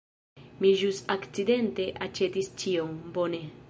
Mi ĵus akcidente aĉetis ĉion! Bone.